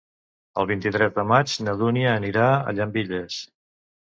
El vint-i-tres de maig na Dúnia anirà a Llambilles.